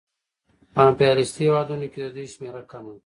په امپریالیستي هېوادونو کې د دوی شمېره کمه ده